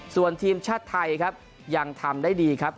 ส่วนทีมชาติไทยครับยังทำได้ดีครับ